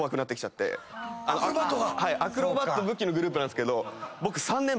アクロバット武器のグループなんですけど僕。